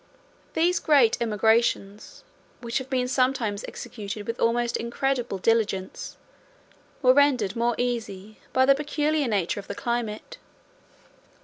10 These great emigrations, which have been sometimes executed with almost incredible diligence, were rendered more easy by the peculiar nature of the climate.